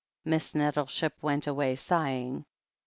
Miss Nettleship went away, sighing.